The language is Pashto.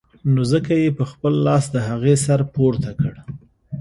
نو ځکه يې په خپل لاس د هغې سر پورته کړ.